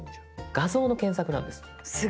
画像の検索なんです。